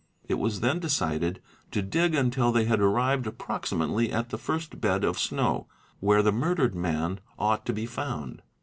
It was then decided to dig until they had arrived approximately at the first bed of snow, where the murdered man ought to be found.